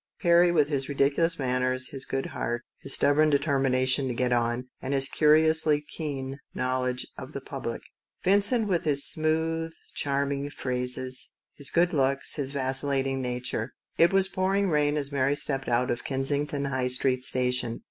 Perry with his ridiculous manners, his good heart, his stubborn deter mination to get on, and his curiously keen knowledge of the public; Vincent with his smooth, charming phrases, his good looks, his vacillating nature. It was pouring rain as Mary stepped out of Kensington High Street Station.